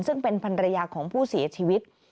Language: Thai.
ซึ่งเป็นพันธุ์ระยะของผู้เสียชีวิต